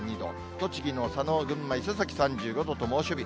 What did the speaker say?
栃木の佐野、群馬・伊勢崎３５度と猛暑日。